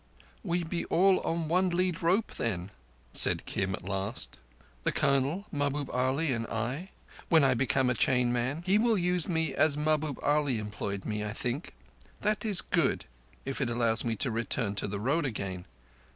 "We be all on one lead rope, then," said Kim at last, "the Colonel, Mahbub Ali, and I—when I become a chain man. He will use me as Mahbub Ali employed me, I think. That is good, if it allows me to return to the Road again.